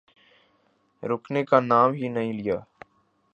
رکنے کا نام ہی نہیں لیا۔